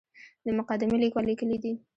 د مقدمې لیکوال لیکلي دي.